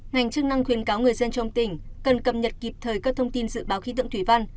ngành chức năng khuyến cáo người dân trong tỉnh cần cập nhật kịp thời các thông tin dự báo khí tượng thủy văn